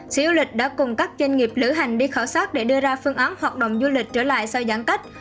sĩ du lịch đã cùng các doanh nghiệp lữ hành đi khảo sát để đưa ra phương án hoạt động du lịch trở lại sau giãn cách